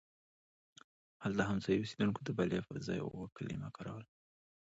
هلته هم ځایي اوسېدونکو د بلې پر ځای اوو کلمه کاروله.